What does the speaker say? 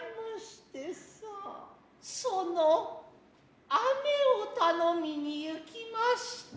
其の雨を頼みに行きました。